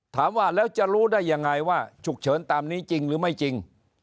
ถามว่าแล้วจะรู้ได้ยังไงว่าฉุกเฉินตามนี้จริงหรือไม่จริง